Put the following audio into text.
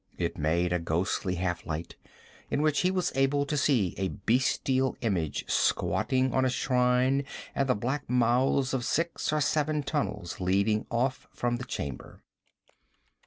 It made a ghostly half light, in which he was able to see a bestial image squatting on a shrine and the black mouths of six or seven tunnels leading off from the chamber.